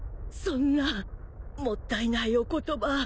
そんなもったいないお言葉。